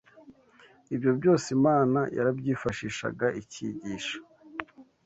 ibyo byose Imana yarabyifashishaga ikigisha